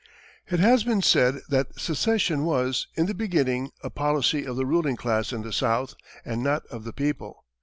It has been said that secession was, in the beginning, a policy of the ruling class in the South and not of the people.